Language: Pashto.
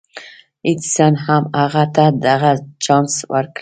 ايډېسن هم هغه ته دغه چانس ورکړ.